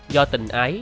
do tình ái